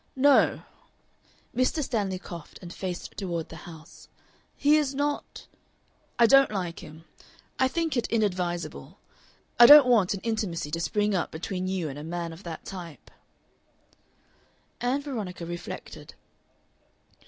"No." Mr. Stanley coughed and faced toward the house. "He is not I don't like him. I think it inadvisable I don't want an intimacy to spring up between you and a man of that type." Ann Veronica reflected.